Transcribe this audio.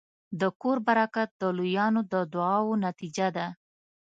د کور برکت د لویانو د دعاوو نتیجه ده.